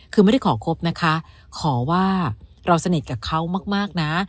คือไม่ได้ขอคบนะคะขอว่าเราสนิทกับเขามากนะ